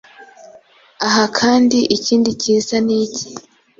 Aha kandi ikindi kiza niki